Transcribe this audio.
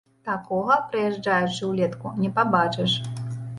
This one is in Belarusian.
Такога, прыязджаючы ўлетку, не пабачыш.